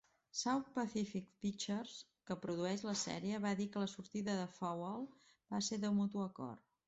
South Pacific Pictures, que produeix la sèrie, va dir que la sortida de Foell va ser "de mutu acord".